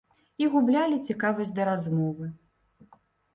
І гублялі цікавасць да размовы.